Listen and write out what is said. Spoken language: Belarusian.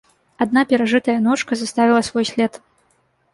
Адна перажытая ночка заставіла свой след.